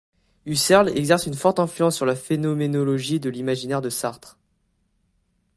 Husserl exerce une forte influence sur la phénoménologie de l'imaginaire de Sartre.